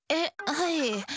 はい。